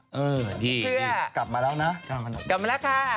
นี่กลับมาแล้วนะกลับมาแล้วค่ะ